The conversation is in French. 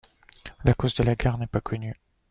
La cause de la guerre n'est pas connue.